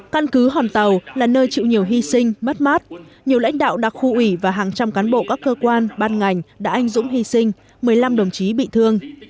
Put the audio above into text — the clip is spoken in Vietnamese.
căn cứ hòn tàu là nơi chịu nhiều hy sinh mất mát nhiều lãnh đạo đặc khu ủy và hàng trăm cán bộ các cơ quan ban ngành đã anh dũng hy sinh một mươi năm đồng chí bị thương